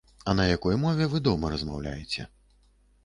А на якой мове вы дома размаўляеце.